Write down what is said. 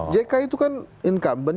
jk itu kan incumbent